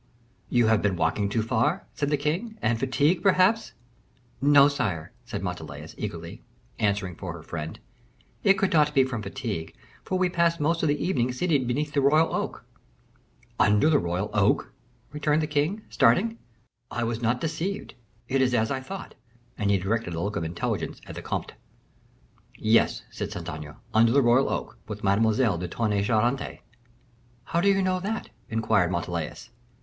"You have been walking too far," said the king; "and fatigue, perhaps " "No, sire," said Montalais, eagerly, answering for her friend, "it could not be from fatigue, for we passed most of the evening seated beneath the royal oak." "Under the royal oak?" returned the king, starting. "I was not deceived; it is as I thought." And he directed a look of intelligence at the comte. "Yes," said Saint Aignan, "under the royal oak, with Mademoiselle de Tonnay Charente." "How do you know that?" inquired Montalais.